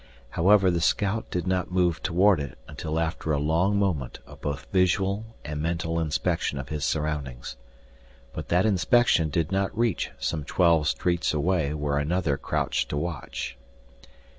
However the scout did not move toward it until after a long moment of both visual and mental inspection of his surroundings. But that inspection did not reach some twelve streets away where another crouched to watch.